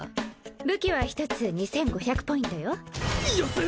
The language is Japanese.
武器は一つ２５００ポイントよ安っ！